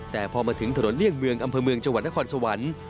แต่พอมาถึงถนนเลี่ยงเมืองอำเภอเมืองจังหวัดนครสวรรค์